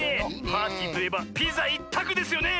パーティーといえばピザいったくですよね！